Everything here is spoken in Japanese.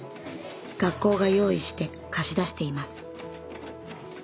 学校が用意して貸し出しています。